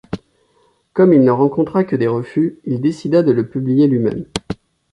Comme il ne rencontra que des refus, il décida de le publier lui-même.